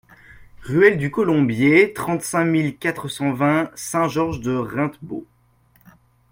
Ruelle du Colombier, trente-cinq mille quatre cent vingt Saint-Georges-de-Reintembault